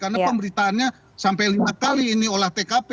karena pemberitaannya sampai lima kali ini olah tkp